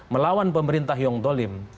melawan pemerintah yang dolim